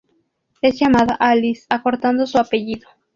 Es llamada "Alice" acortando su apellido.